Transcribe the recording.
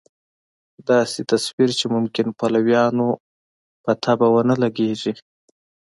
داسې تصویر چې ممکن پلویانو په طبع ونه لګېږي.